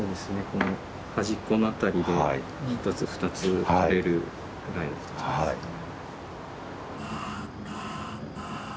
この端っこのあたりで１つ２つとれるぐらいだと。